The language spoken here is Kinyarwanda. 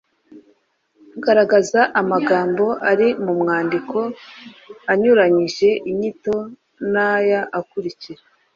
Garagaza amagambo ari mu mwandiko anyuranyije inyito n’aya akurikira: